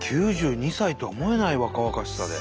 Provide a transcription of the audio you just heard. ９２歳とは思えない若々しさで。